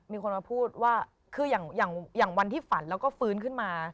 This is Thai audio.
มีคนมาพูดว่าคืออย่างวันที่ฝันแล้วก็ฟื้นขึ้นมา